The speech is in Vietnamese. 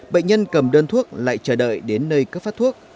bệnh nhân cầm đơn thuốc lại chờ đợi đến nơi cấp phát thuốc